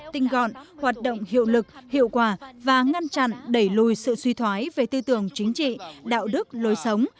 tinh gọn hoạt động hiệu lực hiệu quả và ngăn chặn đẩy lùi sự suy thoái về tư tưởng chính trị đạo đức lối sống